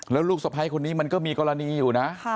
แล้วลูกสะพ้ายคนนี้มันก็มีกรณีอยู่นะ